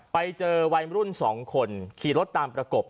ไปเจอวัยรุ่น๒คนขี่รถตามประกบ